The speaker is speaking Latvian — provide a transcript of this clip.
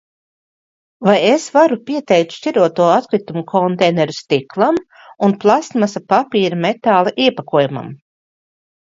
Vai es varu pieteikt šķiroto atkritumu konteineru stiklam un plastmasa, papīra, metāla iepakojumam?